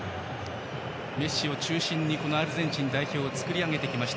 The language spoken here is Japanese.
メッシを中心にアルゼンチン代表を作り上げてきました。